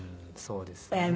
そうですね。